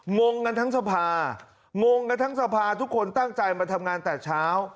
งงกันทั้งสภางงกันทั้งสภาทุกคนตั้งใจมาทำงานแต่เช้า